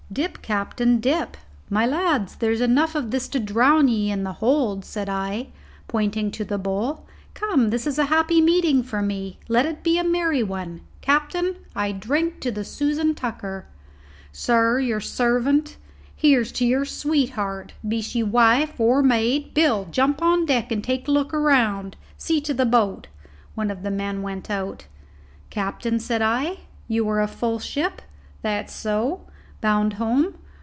"Dip, captain, dip, my lads; there's enough of this to drown ye in the hold," said I, pointing to the bowl. "Come, this is a happy meeting for me; let it be a merry one. Captain, I drink to the Susan Tucker." "Sir, your servant. Here's to your sweetheart, be she wife or maid. Bill, jump on deck and take a look round. See to the boat." One of the men went out. "Captain," said I, "you are a full ship?" "That's so." "Bound home?"